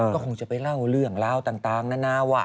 ก็คงจะไปเล่าเรื่องราวต่างนานาว่า